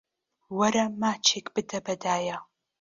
وەرە ماچێک بدە بە دایە.